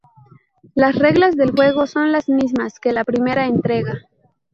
Las reglas del juego son las mismas que la primera entrega.